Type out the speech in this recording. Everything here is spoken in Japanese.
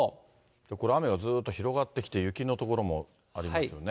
これ、雨がずっと広がってきて、雪の所もありますよね。